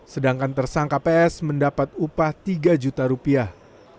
sedangkan tersangka ps mendapat upah tiga juta rupiah